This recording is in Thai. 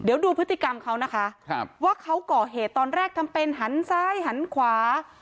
เดี๋ยวดูพฤติกรรมเขานะคะว่าเขาก่อเหตุตอนแรกทำเป็นหันซ้ายหันขวา